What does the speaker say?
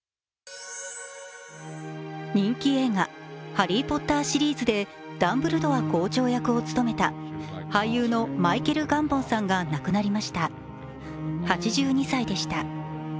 人気映画「ハリー・ポッター」シリーズでダンブルドア校長役を務めた俳優のマイケル・ガンボンさんが亡くなりました、８２歳でした。